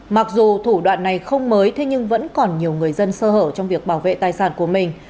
mặc dù thủ đoạn này không mới thế nhưng vẫn còn nhiều người dân sơ hở trong việc bảo vệ tài sản của mình